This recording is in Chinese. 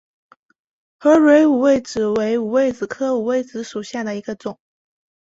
合蕊五味子为五味子科五味子属下的一个种。